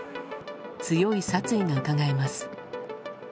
強い殺意がうかがえます。